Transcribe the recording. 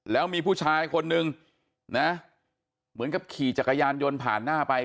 แล้วมีผู้ชายคนนึงนะเหมือนกับขี่จักรยานยนต์ผ่านหน้าไป